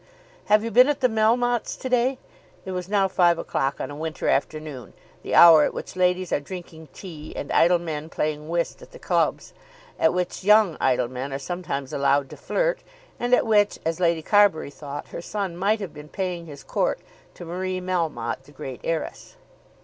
"Have you been at the Melmottes' to day?" It was now five o'clock on a winter afternoon, the hour at which ladies are drinking tea, and idle men playing whist at the clubs, at which young idle men are sometimes allowed to flirt, and at which, as Lady Carbury thought, her son might have been paying his court to Marie Melmotte the great heiress.